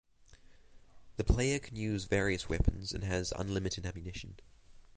The player can use various weapons and has unlimited ammunition.